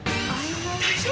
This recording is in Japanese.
大丈夫？